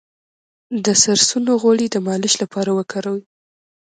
د سرسونو غوړي د مالش لپاره وکاروئ